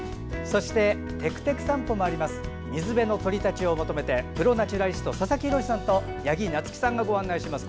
そして「てくてく散歩」は水辺の鳥たちを求めてプロ・ナチュラリスト佐々木洋さんと八木菜月さんがご案内します。